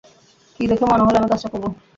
কী দেখে মনে হলো আমি কাজটা করব?